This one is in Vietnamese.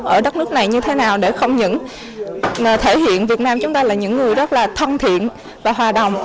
ở đất nước này như thế nào để không những thể hiện việt nam chúng ta là những người rất là thân thiện và hòa đồng